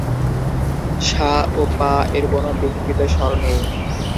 সা ও পা এর কোন বিকৃত স্বর নেই।